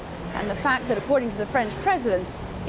dan kebenaran yang menurut presiden perancis